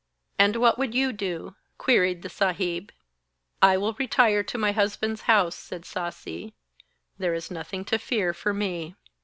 'And what would you do?' queried the Saheb. 'I will retire to my husband's house,' said Sasi; 'there is nothing to fear for me.'